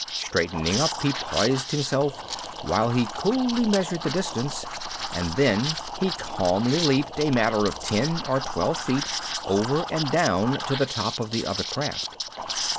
Straightening up, he poised himself while he coolly measured the distance; and then he calmly leaped a matter of ten or twelve feet, over and down to the top of the other craft.